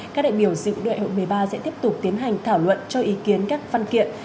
các đại biểu dự đại hội một mươi ba sẽ tiếp tục tiến hành thảo luận cho ý kiến các văn kiện